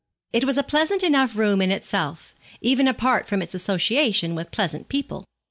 It was a pleasant enough room in itself, even apart from its association with pleasant people.